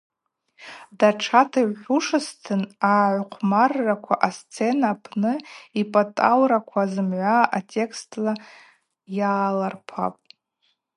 Датшата йухӏвушызтын агӏахъвмарраква, асцена апны апӏатӏаураква зымгӏва атекстла йаларпапӏ.